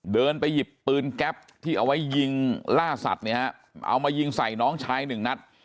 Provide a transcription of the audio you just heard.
เดินไปหยิบปืนแก๊ปที่เอาไว้ยิงล่าสัตว์เนี่ยฮะเอามายิงใส่น้องชายหนึ่งนัด